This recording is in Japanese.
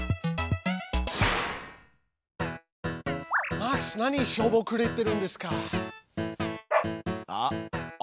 マックスなにしょぼくれてるんですか？